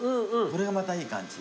これがまたいい感じ。